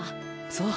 そう。